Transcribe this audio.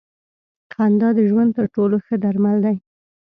خندا د ژوند تر ټولو ښه درمل دی.